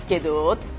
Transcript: って。